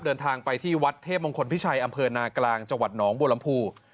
เดินทางไปที่วัดเทพมงคลพิชัยอำเภอนากลางจังหวัดหนองบัวลำพู